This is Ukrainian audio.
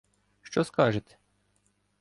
Що скажете?